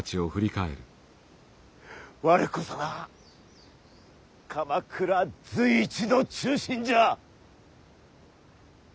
我こそが鎌倉随一の忠臣じゃ！